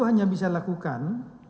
hanya bisa dilakukan